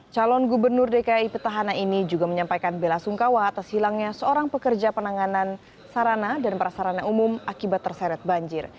calon gubernur dki petahana ini juga menyampaikan bela sungkawa atas hilangnya seorang pekerja penanganan sarana dan prasarana umum akibat terseret banjir